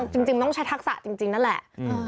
จริงต้องใช้ทักษะจริงนั่นแหละ